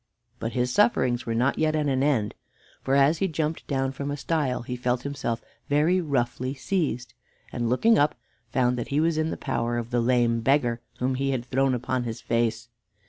But his sufferings were not yet at an end, for as he jumped down from a stile he felt himself very roughly seized, and, looking up, found that he was in the power of the lame beggar whom he had thrown upon his face.